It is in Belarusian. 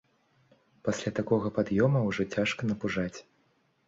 Пасля такога пад'ёма ўжо цяжка напужаць.